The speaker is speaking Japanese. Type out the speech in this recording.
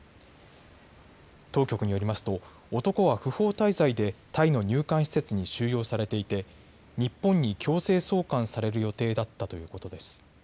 当局によりますと男は不法滞在でタイの入管施設に収容されていて日本に強制送還される予定だったということです。